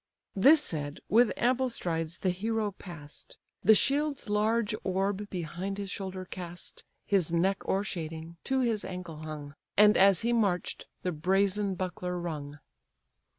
This said, with ample strides the hero pass'd; The shield's large orb behind his shoulder cast, His neck o'ershading, to his ankle hung; And as he march'd the brazen buckler rung.